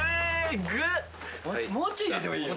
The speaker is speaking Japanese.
もうちょい入れてもいいよ